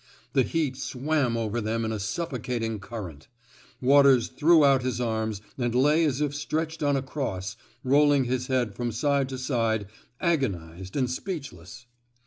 The heat swam over them in a suffocating current. Waters threw out his arms and lay as if stretched on a cross, rolling his head from side to side, agonized and speechless.